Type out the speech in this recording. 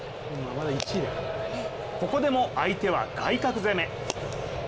ここでも相手は外角攻め。